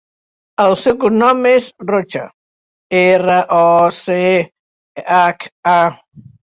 El seu cognom és Rocha: erra, o, ce, hac, a.